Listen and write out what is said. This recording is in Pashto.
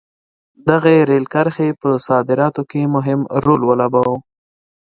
دغې رېل کرښې په صادراتو کې مهم رول ولوباوه.